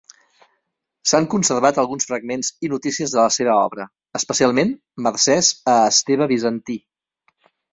S'han conservat alguns fragments i notícies de la seva obra, especialment mercès a Esteve Bizantí.